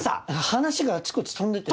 話があちこち飛んでて。